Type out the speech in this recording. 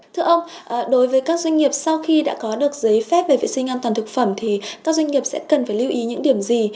thưa ông đối với các doanh nghiệp sau khi đã có được giấy phép về vệ sinh an toàn thực phẩm thì các doanh nghiệp sẽ cần phải lưu ý những điểm gì